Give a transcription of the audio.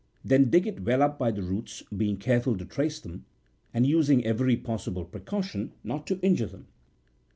Then dig it well up by the roots, being careful to trace them, and using every possible precaution not to injure them.